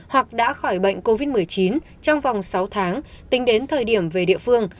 hoặc đã khỏi bệnh covid một mươi chín trong vòng sáu tháng tính đến thời điểm về địa phương